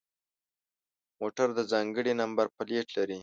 موټر د ځانگړي نمبر پلیت لري.